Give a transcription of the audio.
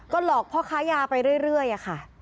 หลอกพ่อค้ายาไปเรื่อยค่ะ